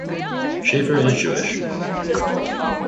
Schaffer is Jewish.